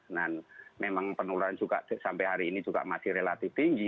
dan memang penurunan juga sampai hari ini juga masih relatif tinggi